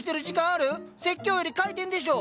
説教より開店でしょ？